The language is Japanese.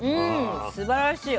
すばらしい。